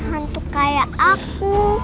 hantu kaya aku